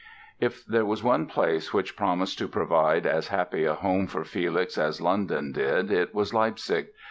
If there was one place which promised to provide as happy a home for Felix as London did it was Leipzig.